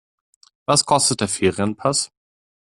Was kostet der Ferienpass?